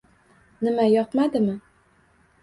— Nima? Yoqmadimi?